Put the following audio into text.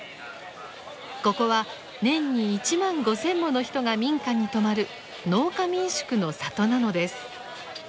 ここは年に１万５，０００もの人が民家に泊まる農家民宿の里なのです。